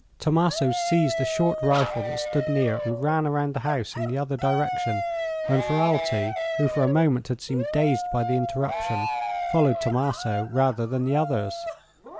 Tommaso seized a short rifle that stood near and ran around the house in the other direction, when Ferralti, who for a moment had seemed dazed by the interruption, followed Tommaso rather than the others.